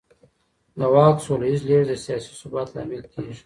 د واک سوله ييز لېږد د سياسي ثبات لامل کېږي.